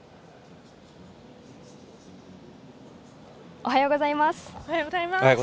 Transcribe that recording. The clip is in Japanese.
おはようございます。